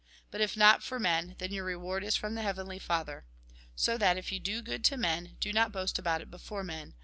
But if not for men, then your reward is from the Heavenly Father. So that, if you do good to men, do not boast about it before men.